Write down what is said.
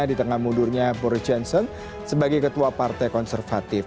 di tengah mundurnya boris johnson sebagai ketua partai konservatif